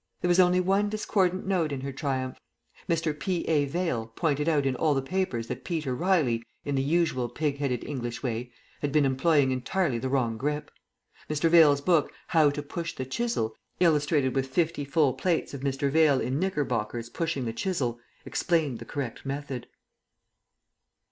There was only one discordant note in her triumph. Mr. P. A. Vaile pointed out in all the papers that Peter Riley, in the usual pig headed English way, had been employing entirely the wrong grip. Mr. Vaile's book, How to Push the Chisel, illustrated with 50 full plates of Mr. Vaile in knickerbockers pushing the Chisel, explained the correct method.